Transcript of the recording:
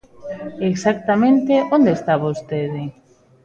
Exactamente, ¿onde está vostede?